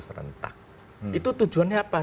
serentak itu tujuannya apa